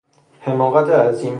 حماقت عظیم